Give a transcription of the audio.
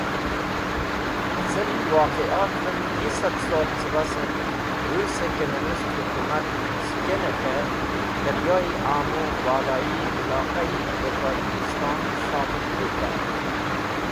Hacem waqiaatven yi sad sol cẽbasen Russe Communist Hukumat S̃hikene k̃he Daryoyi Amuve Balayi Iloqah de Tojikiston Shomil vitey.